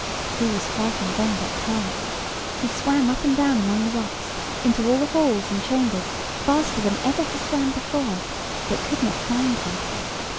Who was frightened then but Tom? He swam up and down among the rocks, into all the halls and chambers, faster than ever he swam before, but could not find her.